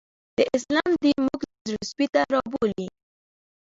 د اسلام دین موږ زړه سوي ته رابولي